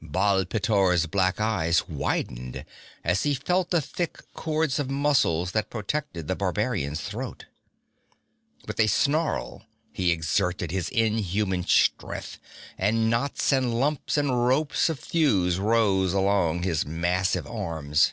Baal pteor's black eyes widened as he felt the thick cords of muscles that protected the barbarian's throat. With a snarl he exerted his inhuman strength, and knots and lumps and ropes of thews rose along his massive arms.